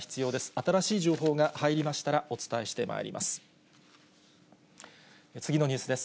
新しい情報が入りましたら、お伝えしてまいります。